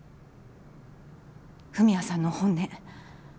文哉さんの本音。